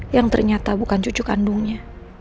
yang ternyata bukan cucu kandungnya